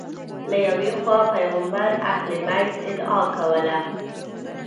له یوې خوا پیغمبر اهل بیت ادعا کوله